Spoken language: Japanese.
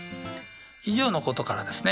以上のことからですね